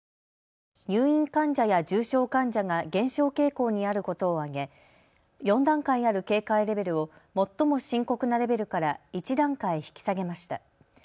入院患者や重症患者が減少傾向にあることを挙げ４段階ある警戒レベルを最も深刻なレベルから１段階引き下げました。